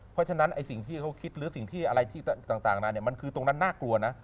เพราะฉะนั้นไอ้สิ่งที่เขาคิดหรือสิ่งที่อะไรที่ต่างนานมันคือตรงนั้นน่ากลัวนะ